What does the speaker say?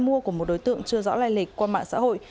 mua của một đối tượng chưa rõ lai lịch qua mạng xã hội